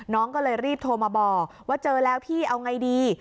น้องก็เลยรีบโทรมาบอกว่าเจอแล้วพี่เอาไงดี